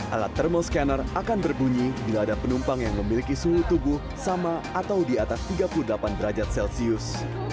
alat thermal scanner akan berbunyi bila ada penumpang yang memiliki suhu tubuh sama atau di atas tiga puluh delapan derajat celcius